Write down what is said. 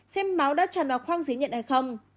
xem máu đã tràn vào khoang giấy nhận hay không